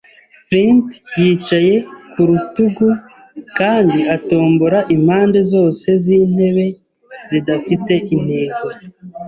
Flint yicaye ku rutugu kandi atombora impande zose z'intebe zidafite intego.